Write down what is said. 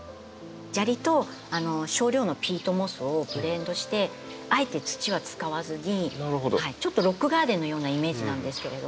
砂利と少量のピートモスをブレンドしてあえて土は使わずにちょっとロックガーデンのようなイメージなんですけれども。